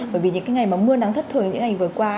bởi vì những ngày mưa nắng thất thường như ngày vừa qua